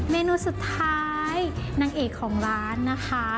เมนูสุดท้ายนางเอกของร้านนะคะ